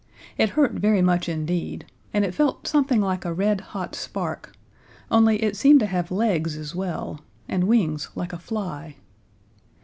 It hurt very much indeed, and it felt something like a red hot spark only it seemed to have legs as well, and wings like a fly.